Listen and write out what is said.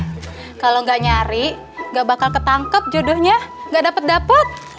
kakak kalo gak nyari gak bakal ketangkep jodohnya gak dapet dapet